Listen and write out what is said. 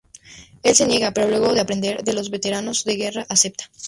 Él se niega, pero luego de aprender de los veteranos de guerra, acepta.